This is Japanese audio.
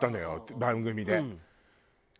番組で。